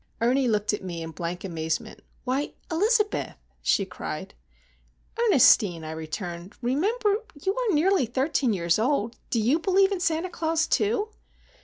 Ernie looked at me in blank amazement. "Why, Elizabeth!" she cried. "Ernestine," I returned, "remember,—you are nearly thirteen years old! Do you believe in Santa Claus, too?"